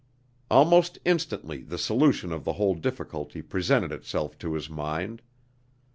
Almost instantly the solution of the whole difficulty presented itself to his mind.